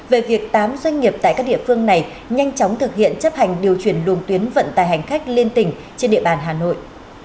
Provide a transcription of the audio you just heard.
về việc tám doanh nghiệp tại các địa phương này nhanh chóng thực hiện chấp hành điều chuyển luồng tuyến vận tài hành khách liên tỉnh trên địa bàn hà nội